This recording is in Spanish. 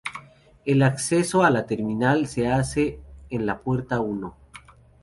El acceso a la terminal se hace en la Pl.